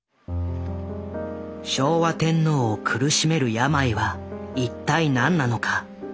昭和天皇を苦しめる病は一体何なのか。